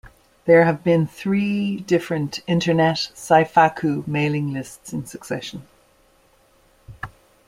There have been three different Internet scifaiku mailing lists in succession.